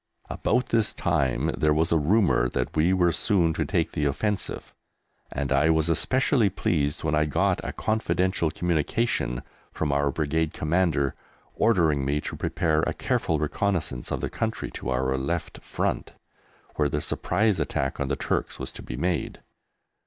About this time there was a rumour that we were soon to take the offensive, and I was especially pleased when I got a confidential communication from our Brigade Commander ordering me to prepare a careful reconnaissance of the country to our left front, where the surprise attack on the Turks was to be made.